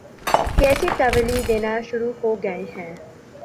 کیسی تاویلیں دینا شروع ہو گئے ہیں۔